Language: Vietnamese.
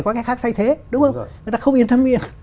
có cách khác thay thế người ta không yên thân miên